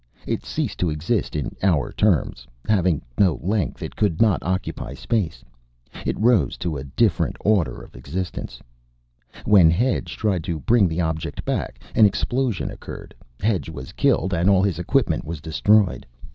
It ceased to exist in our terms. Having no length it could not occupy space. It rose to a different order of existence. "When Hedge tried to bring the object back, an explosion occurred. Hedge was killed, and all his equipment was destroyed.